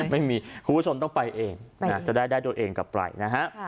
คุณผู้ชมต้องไปเองจะได้ตัวเองกลับไปนะฮะ